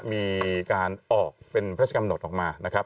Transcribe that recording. มีการออกเป็นพระราชกำหนดออกมานะครับ